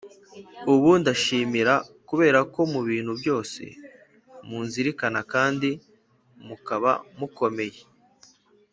Ubu Ndabashimira Kubera Ko Mu Bintu Byose Munzirikana Kandi Mukaba Mukomeye